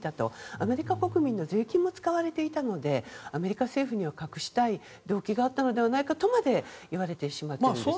アメリカ国民の税金も使われていたのでアメリカ政府には隠したい動機があったのではないかとまで言われてしまっているんです。